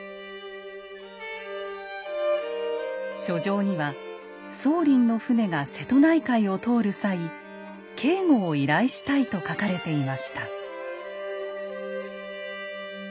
書状には宗麟の船が瀬戸内海を通る際警護を依頼したいと書かれていました。